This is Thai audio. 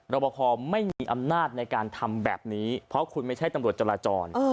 บคอไม่มีอำนาจในการทำแบบนี้เพราะคุณไม่ใช่ตำรวจจราจร